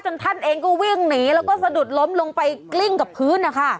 ท่านเองก็วิ่งหนีแล้วก็สะดุดล้มลงไปกลิ้งกับพื้นนะคะ